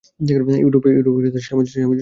ইউরোপে স্বামীজীর সহিত সাক্ষাৎ হয়।